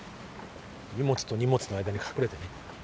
荷物と荷物の間に隠れてね。